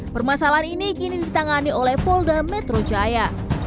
permasalahan ini kini ditangani oleh polda metro jaya